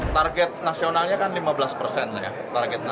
target nasionalnya kan lima belas persen ya